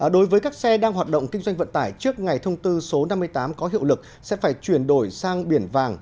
đối với các xe đang hoạt động kinh doanh vận tải trước ngày thông tư số năm mươi tám có hiệu lực sẽ phải chuyển đổi sang biển vàng